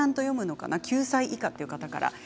９歳以下という方からです。